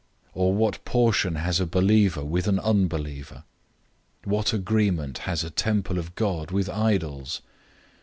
Or what portion has a believer with an unbeliever? 006:016 What agreement has a temple of God with idols?